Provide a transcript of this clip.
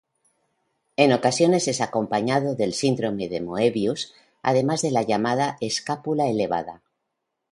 En ocasiones, es acompañado del Síndrome de Möbius, además de la llamada "escápula elevada".